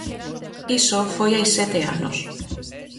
Isto foi hai sete anos.